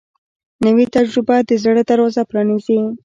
نوې تجربه د زړه دروازه پرانیزي